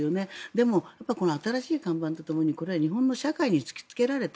でも、この新しい看板とともにこれは日本の社会に突きつけられた